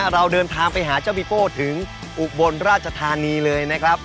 เราเดินทางไปหาเจ้าบิโป้ถึงอุบลราชธานีเลยนะครับ